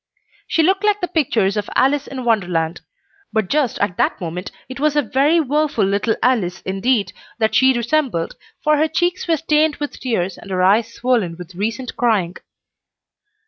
She looked like the pictures of "Alice in Wonderland;" but just at that moment it was a very woful little Alice indeed that she resembled, for her cheeks were stained with tears and her eyes swollen with recent crying.